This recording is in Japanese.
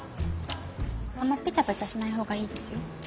あんまペチャペチャしないほうがいいですよ。